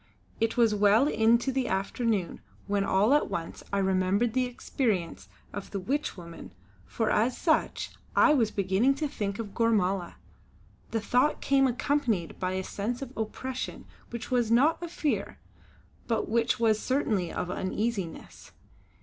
It was well into the afternoon when all at once I remembered the existence of the witch woman for as such I was beginning to think of Gormala. The thought came accompanied by a sense of oppression which was not of fear, but which was certainly of uneasiness.